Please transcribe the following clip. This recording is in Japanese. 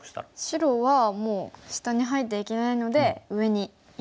白はもう下に入っていけないので上にいきますか。